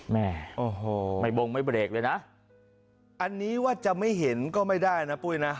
แม่โอ้โหไม่บงไม่เบรกเลยนะอันนี้ว่าจะไม่เห็นก็ไม่ได้นะปุ้ยนะ